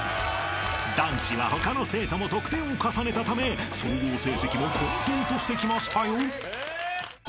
［男子は他の生徒も得点を重ねたため総合成績も混沌としてきましたよ］